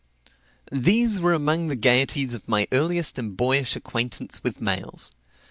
These were among the gaieties of my earliest and boyish acquaintance with mails.